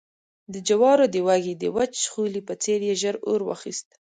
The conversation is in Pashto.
د جوارو د وږي د وچ شخولي په څېر يې ژر اور واخیست